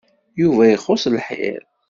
Yuba ixuṣ lḥir.